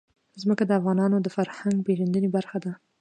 ځمکه د افغانانو د فرهنګي پیژندنې برخه ده.